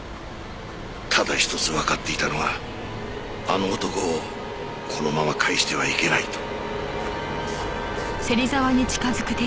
ただ１つわかっていたのはあの男をこのまま帰してはいけないと。